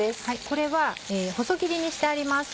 これは細切りにしてあります。